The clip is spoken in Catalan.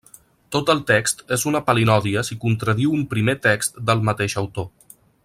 Tot el text és una palinòdia si contradiu un primer text del mateix autor.